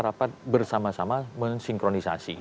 rapat bersama sama mensinkronisasi